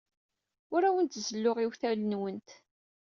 Ur awent-zelluɣ iwtal-nwent.